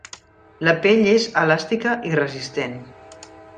La pell és elàstica i resistent.